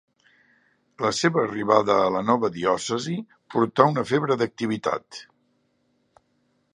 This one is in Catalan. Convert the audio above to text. La seva arribada a la nova diòcesi portà una febre d'activitat.